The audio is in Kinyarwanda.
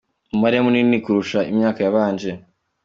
umubare munini kurusha imyaka yabanje.